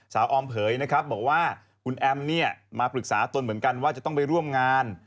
ออมเผยนะครับบอกว่าคุณแอมเนี่ยมาปรึกษาตนเหมือนกันว่าจะต้องไปร่วมงาน